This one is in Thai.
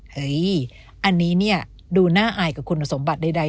เฮ้ยอันนี้ดูน่าอายกับคุณสมบัติใด